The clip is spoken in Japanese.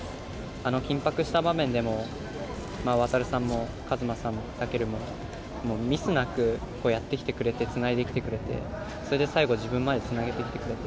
あの緊迫した場面でも航さんも和磨さんも丈琉もミスなくやってきてくれてつないできてくれてそれで最後自分までつなげてきてくれて。